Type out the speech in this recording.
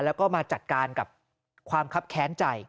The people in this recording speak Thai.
แล้วก็มาจัดการกับความคับแค้นใจ